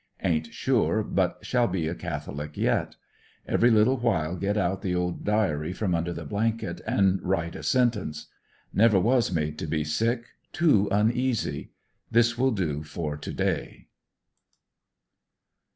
Ain't sure but shall be a Catholic yet. Every little while get out the old diary from under the blanket and write a sentence. Never was made to be sick — too uneasy. This will do for to day.